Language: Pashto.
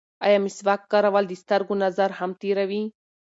ایا مسواک کارول د سترګو نظر هم تېروي؟